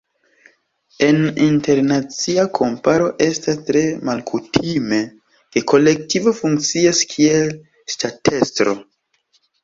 En internacia komparo estas tre malkutime, ke kolektivo funkcias kiel ŝtatestro.